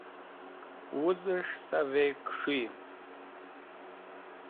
wuz'esh sav'ey kus̃huy'em